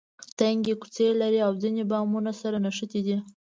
تنګې کوڅې لري او ځینې بامونه سره نښتي دي.